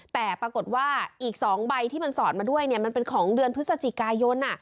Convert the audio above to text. แต่ปรากฏว่าอีก๒ใบที่มันสอดมาด้วยมันเป็นของเดือนพฤศจิกายน